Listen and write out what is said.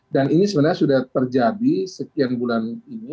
dan ini sebenarnya sudah terjadi sekian bulan ini